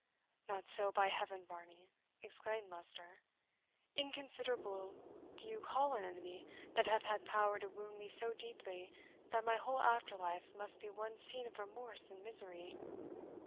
"Not so, by Heaven, Varney!" exclaimed Leicester. "Inconsiderable do you call an enemy that hath had power to wound me so deeply that my whole after life must be one scene of remorse and misery?